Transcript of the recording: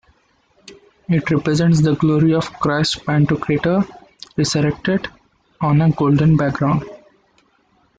It represents the Glory of Christ Pantocrator, Resurrected, on a golden background.